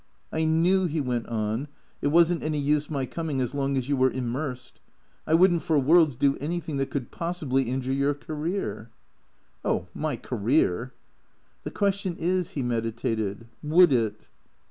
" I knew," he went on, " it was n't any use my coming as long as you were irumersed. I would n't for worlds do anything that could possibly injure your career." " Oh — my career "" The question is," he meditated, " would it